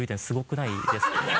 すごくないですか？